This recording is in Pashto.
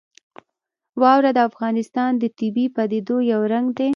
واوره د افغانستان د طبیعي پدیدو یو رنګ دی.